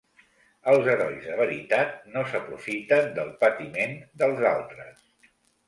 Els herois de veritat no s'aprofiten del patiment dels altres.